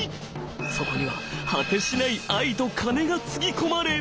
そこには果てしない愛と金がつぎ込まれ。